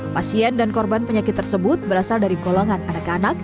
pasien dan korban penyakit tersebut berasal dari golongan anak anak